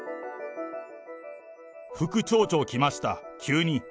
副町長来ました、急に。